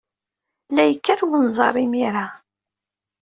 La yekkat wenẓar imir-a.